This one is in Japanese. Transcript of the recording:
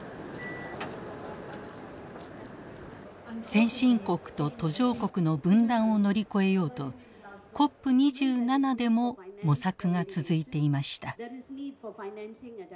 先進国と途上国の分断を乗り越えようとＣＯＰ２７でも模索が続いていました。